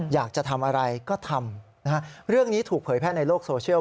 อยากจะทำอะไรก็ทำนะฮะเรื่องนี้ถูกเผยแพร่ในโลกโซเชียล